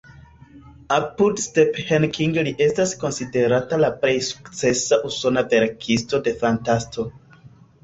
Apud Stephen King li estas konsiderata la plej sukcesa usona verkisto de fantasto.